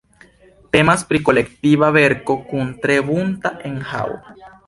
Temas pri kolektiva verko kun tre bunta enhavo.